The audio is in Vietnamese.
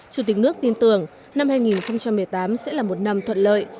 chủ tịch nước tin tưởng năm hai nghìn một mươi tám sẽ là một năm thuận lợi